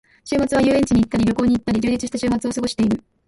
週末は遊園地に行ったり旅行に行ったり、充実した週末を過ごしている。